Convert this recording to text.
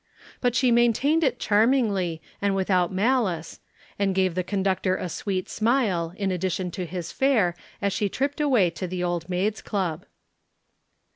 But she maintained it charmingly and without malice and gave the conductor a sweet smile in addition to his fare as she tripped away to the Old Maids' Club.